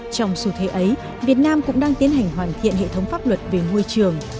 trong xu thế ấy việt nam cũng đang tiến hành hoàn thiện hệ thống pháp luật về môi trường